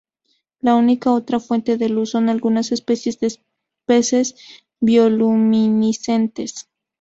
La única otra fuente de luz son algunas especies de peces bioluminiscentes.